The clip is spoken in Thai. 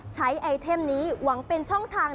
ไอเทมนี้หวังเป็นช่องทาง